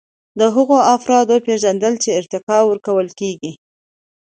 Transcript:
د هغو افرادو پیژندل چې ارتقا ورکول کیږي.